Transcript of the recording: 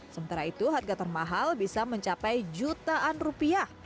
sementara itu harga termahal bisa mencapai jutaan rupiah